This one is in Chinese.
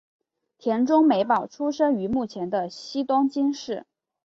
田中美保出生于目前的西东京市。